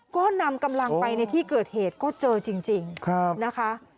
ก็นำกำลังไปในที่เกิดเหตุก็เจอจริงนะคะ